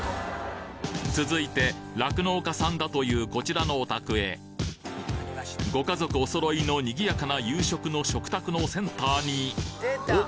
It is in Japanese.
続いて酪農家さんだというこちらのお宅へご家族お揃いの賑やかな夕食の食卓のセンターにお！